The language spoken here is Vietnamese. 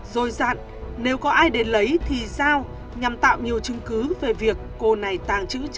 rồi dặn nếu có ai đến lấy thì sao nhằm tạo nhiều chứng cứ về việc cô này tàng trữ trái tim